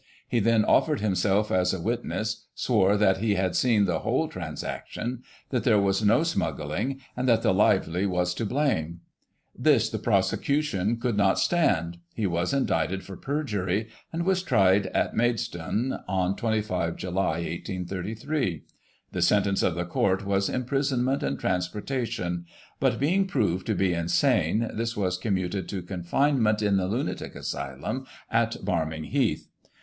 He then offered himself as a witness, swore that he had seen the whole transaction, that there was no smuggling, and that the Lively was to blame. This the prosecution could not stand ; he was indicted for perjury, and was tried at Maid stone on 25 July, 1833. The sentence of the Court was imprisonment and transportation, but, being proved to be insane, this was commuted to confinement in the lunatic asylum, at Barming Heath.